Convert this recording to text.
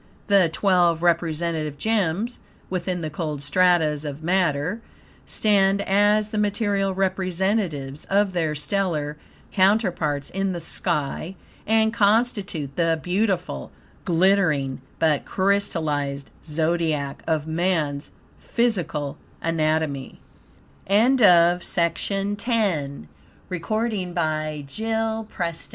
The twelve representative gems within the cold stratas of matter, stand as the material representatives of their stellar counterparts in the sky, and constitute the beautiful, glittering, but crystallized, Zodiac of man's physical anatomy. CHAPTER X. CEREMONIAL MAGIC The above title